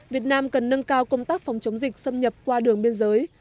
việt nam cần nâng cao công tác phòng chống dịch xâm nhập qua đường biên giới